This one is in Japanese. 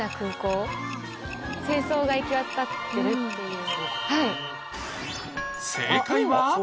清掃が行き渡ってるっていう。